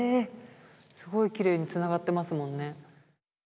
すごいきれいにつながってますもんね。